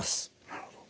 なるほど。